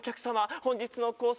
本日のコース